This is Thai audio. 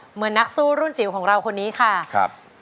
เหมือนนักสู้รุ่นจิ๋วของเราคนนี้ค่ะครับ